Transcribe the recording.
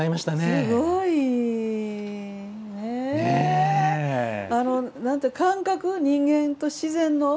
すごい。感覚、人間と自然の。